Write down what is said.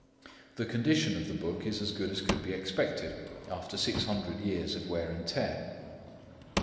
The condition of the book is as good as could be expected, after six hundred years of wear and tear.